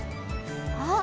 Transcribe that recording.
あっ！